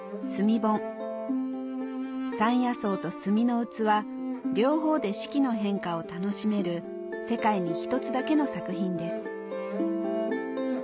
盆山野草と炭の器両方で四季の変化を楽しめる世界に一つだけの作品です